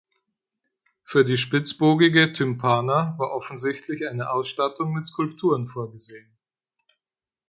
Für die spitzbogige Tympana war offensichtlich eine Ausstattung mit Skulpturen vorgesehen.